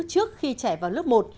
trước khi trẻ vào lớp một